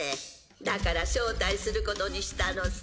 だから招待することにしたのさ。